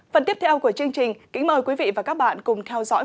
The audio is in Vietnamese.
phần tiếp theo của chương trình kính mời quý vị và các bạn cùng theo dõi